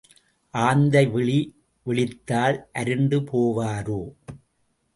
ஆந்தை விழி விழித்தால் அருண்டு போவாரோ?